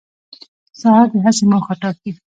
سهار د هڅې موخه ټاکي.